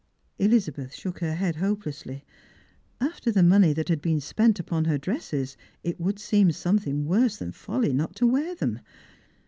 Elizabeth shook her head hopelessly. After the money that had been spent upon her dresses it would seem something worse than folly not to wear them.